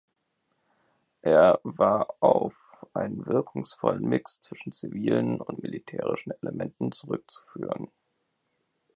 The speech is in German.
Er war auf einen wirkungsvollen Mix zwischen zivilen und militärischen Elementen zurückzuführen.